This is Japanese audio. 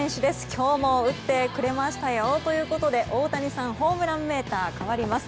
今日も打ってくれましたよ。ということで大谷さんホームランメーター変わります。